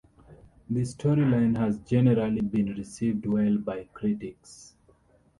The storyline has generally been received well by critics.